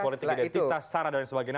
politik identitas sara dan sebagainya